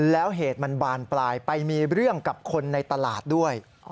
แล้วเหตุมันบานปลายไปมีเรื่องกับคนในตลาดด้วย